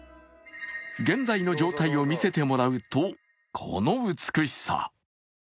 現在の状態を見せてもらうとこの美しさ。